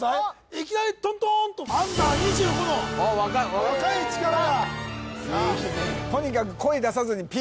いきなりトントンとアンダー２５の若い力がいいね